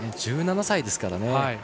１７歳ですからね。